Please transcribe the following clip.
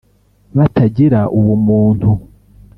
batagira ubumuntu